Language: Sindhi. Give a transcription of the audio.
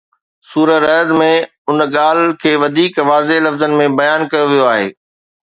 سوره رعد ۾ ان ڳالهه کي وڌيڪ واضح لفظن ۾ بيان ڪيو ويو آهي